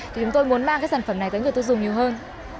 thì chúng tôi muốn mang cái sản phẩm này tới người tiêu dùng nhiều hơn